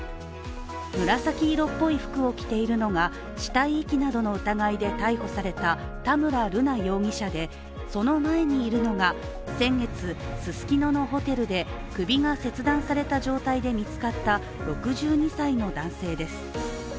紫色っぽい服を着ているのが死体遺棄などの疑いで逮捕された田村瑠奈容疑者で、その前にいるのが先月、ススキノのホテルで首が切断された状態で見つかった６２歳の男性です。